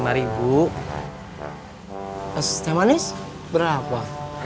kasus teh manis berapa